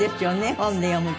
本で読むと。